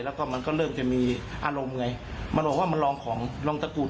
แล้วก็มันก็เริ่มจะมีอารมณ์ไงมันบอกว่ามันลองของลองตะกรูด